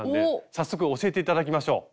早速教えて頂きましょう。